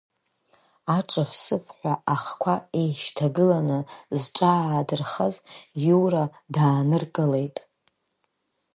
Аҿывсывҳәа ахқәа еишьҭагыланы зҿаадырхаз Иура дааныркылеит…